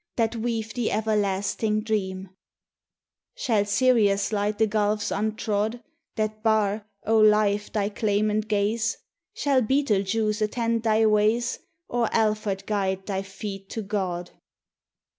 That weave the Everlasting Dream? Shall Sirius light the gulfs untrod That bar, O Life! thy claimant gaze? Shall Betelgeuse attend thy ways, Or Alphard guide thy feet to God?